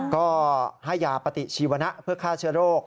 ก็ให้ยาปฏิชีวนะเพื่อฆ่าเชื้อโรค